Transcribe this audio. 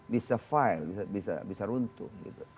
bisa fail bisa runtuh